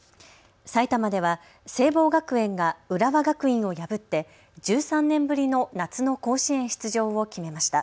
埼玉では聖望学園が浦和学院を破って１３年ぶりの夏の甲子園出場を決めました。